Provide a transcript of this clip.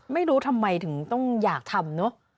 ไม่รู้ทำไมถึงต้องอยากทำเนอะ